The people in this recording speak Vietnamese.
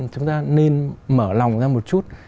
chúng ta nên mở lòng ra một chút